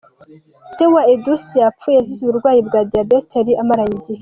Se wa Edouce yapfuye azize uburwayi bwa diyabete yari amaranye igihe.